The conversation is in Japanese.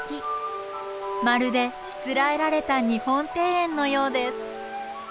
まるでしつらえられた日本庭園のようです。